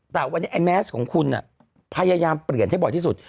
แต่วันนี้ไอ้แมสของคุณพยายามเปลี่ยนให้บ่อยที่สุด